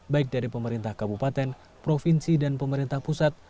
baik dari pemerintah kabupaten provinsi dan pemerintah pusat